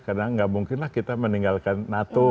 tidak mungkin kita meninggalkan nato